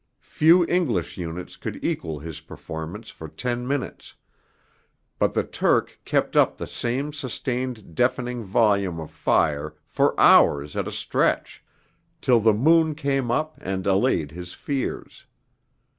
Few English units could equal his performance for ten minutes; but the Turk kept up the same sustained deafening volume of fire for hours at a stretch, till the moon came up and allayed his fears.